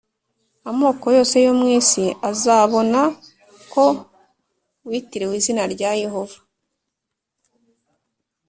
Amoko yose yo mu isi azabona ko witiriwe izina rya Yehova,